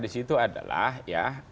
di situ adalah ya